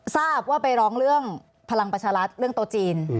ทราบว่าไปร้องเรื่องพลังปัชรัสแรงโต้จีน